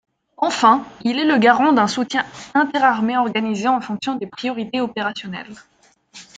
Enfin, il est le garant d’un soutien interarmées organisé en fonction des priorités opérationnelles.